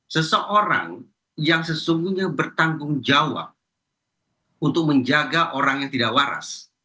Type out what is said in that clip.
seseorang yang sesungguhnya bertanggung jawab untuk menjaga orang yang tidak waras